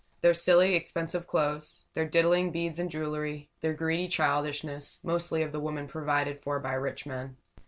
Their silly, expensive clothes their diddling beads and jewelry their greedy childishness mostly of the women provided for by rich men.